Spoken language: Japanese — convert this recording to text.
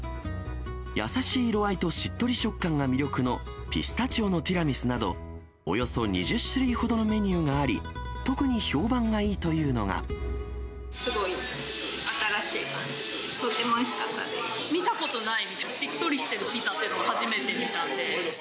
優しい色合いとしっとり食感が魅力の、ピスタチオのティラミスなど、およそ２０種類ほどのメニューがあり、すごい新しい感じで、とても見たことない、しっとりしてるピザっていうのは初めて見たので。